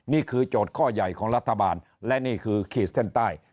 โจทย์ข้อใหญ่ของรัฐบาลและนี่คือขีดเส้นใต้